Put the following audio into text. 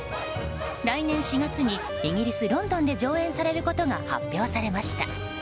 来年４月にイギリス・ロンドンで上演されることが発表されました。